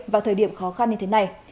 vào thời điểm khó khăn như thế này